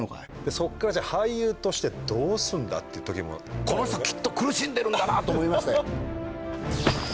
そこからじゃあ俳優としてどうすんだって時もこの人きっと苦しんでるんだなと思いましたよ